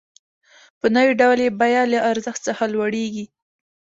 په نوي ډول یې بیه له ارزښت څخه لوړېږي